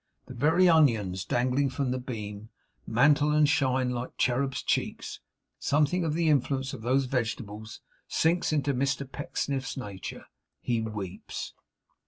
The very onions dangling from the beam, mantle and shine like cherubs' cheeks. Something of the influence of those vegetables sinks into Mr Pecksniff's nature. He weeps.